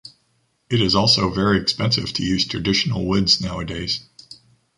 It is also very expensive to use traditional woods nowadays.